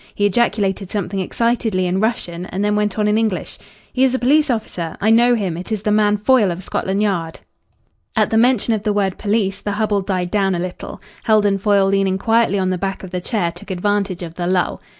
He ejaculated something excitedly in Russian, and then went on in English "He is a police officer. I know him. It is the man Foyle of Scotland Yard." At the mention of the word police the hubble died down a little. Heldon Foyle, leaning quietly on the back of the chair, took advantage of the lull.